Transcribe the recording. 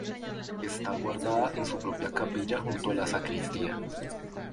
Está guardada en su propia capilla junto a la sacristía.